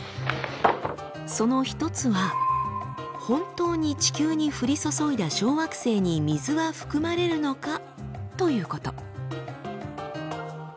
その一つは本当に地球に降り注いだ小惑星に水は含まれるのかということ。